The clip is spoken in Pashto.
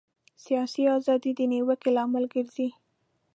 سیاسي ازادي د نیوکې لامل ګرځي.